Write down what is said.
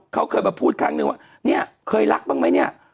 เขาเคยมาพูดครั้งนึงว่าเนี่ยเคยรักบ้างไหมเนี่ย